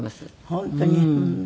本当に？